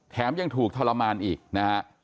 ยังถูกทรมานอีกนะฮะ